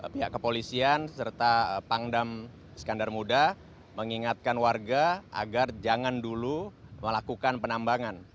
pihak kepolisian serta pangdam skandar muda mengingatkan warga agar jangan dulu melakukan penambangan